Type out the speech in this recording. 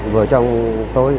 vợ chồng tôi